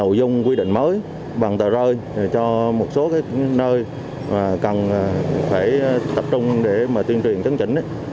tổ dung quy định mới bằng tờ rơi cho một số nơi cần phải tập trung để tuyên truyền chấn chỉnh